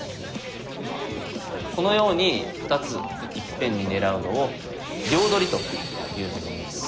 このように２ついっぺんに狙うのを「両取り」というふうに言います。